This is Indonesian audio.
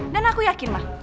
dan aku yakin